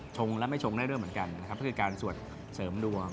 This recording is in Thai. และไม่ชงได้ด้วยเหมือนกันนะครับก็คือการสวดเสริมดวง